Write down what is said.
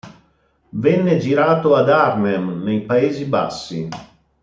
Venne girato a Arnhem, nei Paesi Bassi.